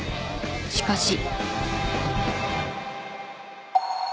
しかし。